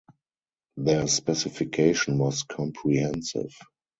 Their specification was comprehensive.